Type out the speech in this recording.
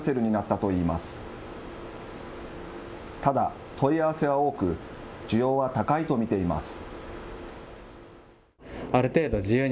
ただ、問い合わせは多く、需要は高いと見ています。